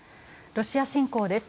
ロシア侵攻です。